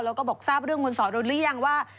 แล้วก็บอกทราบเรื่องคุณสอรุณหรือยังว่า